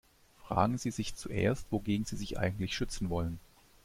Fragen Sie sich zuerst, wogegen Sie sich eigentlich schützen wollen.